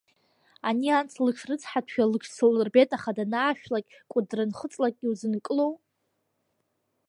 Ани ас лыҽрыцҳатәшәа лыҽслырбеит, аха данаашәлакь Кәыдры анхыҵлакь иузынкылоу?